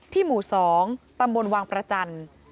หมู่๒ตำบลวังประจันทร์